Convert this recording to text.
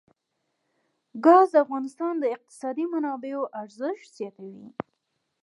ګاز د افغانستان د اقتصادي منابعو ارزښت زیاتوي.